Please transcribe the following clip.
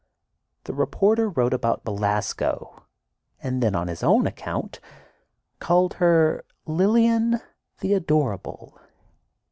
The reporter wrote about Belasco, and then on his own account called her "Lillian, the adorable."